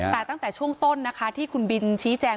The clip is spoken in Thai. แต่ตั้งแต่ช่วงต้นนะคะที่คุณบินชี้แจง